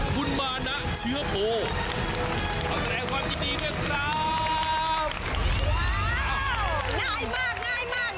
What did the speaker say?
คุณมาน่ะเชื้อโภนำแสมความยินดีนะครับ